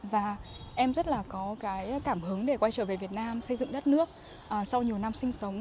và em rất là có cái cảm hứng để quay trở về việt nam xây dựng đất nước sau nhiều năm sinh sống